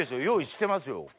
用意してますよ。